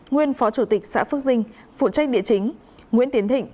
nguyên phó chủ tịch xã phước dinh phụ trách địa chính nguyễn tiến thịnh